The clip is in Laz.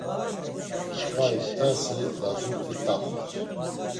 Kva iktasi lazut̆i t̆axus.